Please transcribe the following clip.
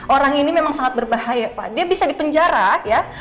orang ini memang sangat berbahaya pak dia bisa dipenjara ya